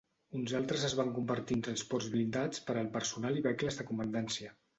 Uns altres es van convertir en transports blindats per al personal i vehicles de comandància.